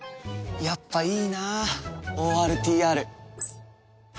やっぱいいなＯＲＴＲ。